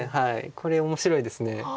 これ面白いです。